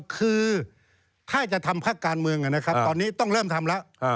คือถ้าจะทำพักการเมืองนะครับตอนนี้ต้องเริ่มทำแล้ว